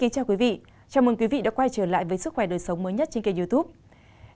chào mừng quý vị đã quay trở lại với sức khỏe đời sống mới nhất trên kênh youtube